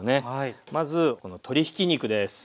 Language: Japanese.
まずこの鶏ひき肉です。